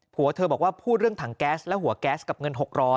หัวเธอบอกว่าพูดเรื่องถังแก๊สและหัวแก๊สกับเงิน๖๐๐